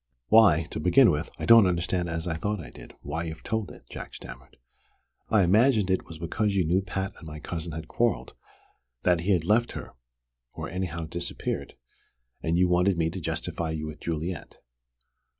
"Why, to begin with, that I don't understand as I thought I did, why you've told it," Jack stammered. "I imagined it was because you knew Pat and my cousin had quarrelled, that he had left her or anyhow disappeared and you wanted me to justify you with Juliet."